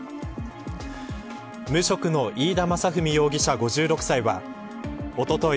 無職の飯田雅史容疑者、５６歳はおととい